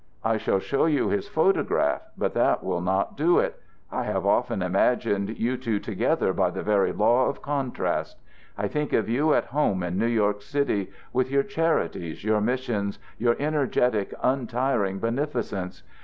I shall show you his photograph, but that will not do it. I have often imagined you two together by the very law of contrast. I think of you at home in New York City, with your charities, your missions, your energetic, untiring beneficence.